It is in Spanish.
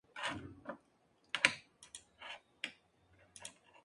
Ver el modelo de Crítica de Cascada.